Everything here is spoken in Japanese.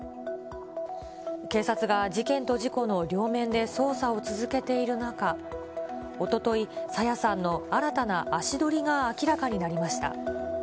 警察が事件と事故の両面で捜査を続けている中、おととい、朝芽さんの新たな足取りが明らかになりました。